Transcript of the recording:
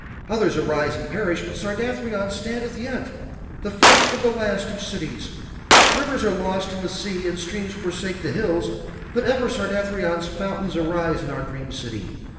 Others arise and perish but Sardathrion standeth yet, the first and the last of cities. Rivers are lost in the sea and streams forsake the hills, but ever Sardathrion's fountains arise in our dream city.